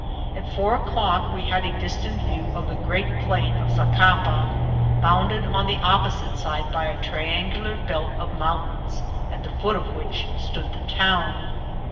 At four o'clock we had a distant view of the great plain of 2acapa, bound ed on the opposite side by a triangular belt of mount ains, at the foot of which stood the town.